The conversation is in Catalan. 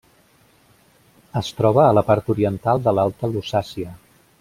Es troba a la part oriental de l'Alta Lusàcia.